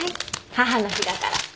母の日だから